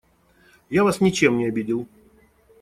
Я вас ничем не обидел.